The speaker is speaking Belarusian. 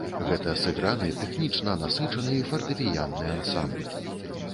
Гэта сыграны, тэхнічна насычаны фартэпіянны ансамбль.